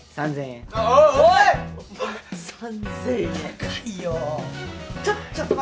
３，０００円と。